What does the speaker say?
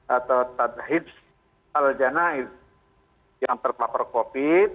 atau tajahid al janah yang terpapar covid sembilan belas